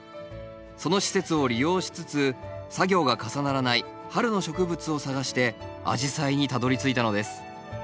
その施設を利用しつつ作業が重ならない春の植物を探してアジサイにたどりついたのです。